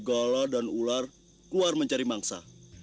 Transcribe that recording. golo dan ular keluar mencari mangsa